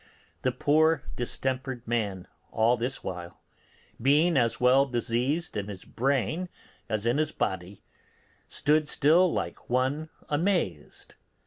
The poor distempered man all this while, being as well diseased in his brain as in his body, stood still like one amazed.